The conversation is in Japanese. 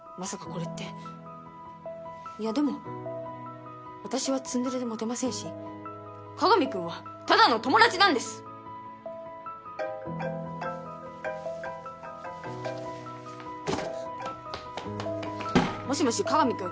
これっていやでも私はツンデレでモテませんし各務君はただの友達なんです・もしもし各務君